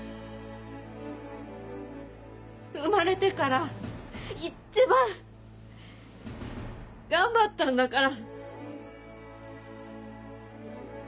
生まれてから一番頑張ったんだから。